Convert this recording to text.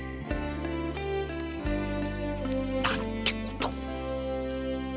何てことを！